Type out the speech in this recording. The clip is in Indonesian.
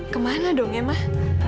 kemana dong ya mah